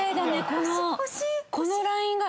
このこのラインが。